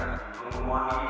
memuai si ketahian pak